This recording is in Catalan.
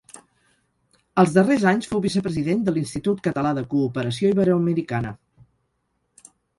Els darrers anys fou vicepresident de l’Institut Català de Cooperació Iberoamericana.